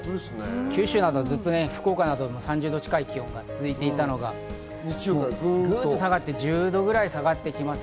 九州など、ずっと福岡など３０度近い気温が続いていたのがグッと下がって１０度くらい下がります。